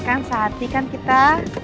kan sati kan kita